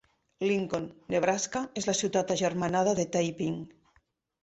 Lincoln, Nebraska, és la ciutat agermanada de Taiping.